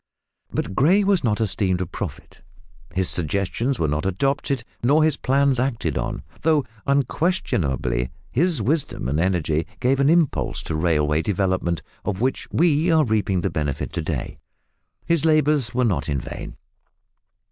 But Gray was not esteemed a prophet. His suggestions were not adopted nor his plans acted on, though unquestionably his wisdom and energy gave an impulse to railway development, of which we are reaping the benefit to day. His labours were not in vain.